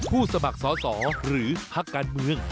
สมัครสอสอหรือพักการเมือง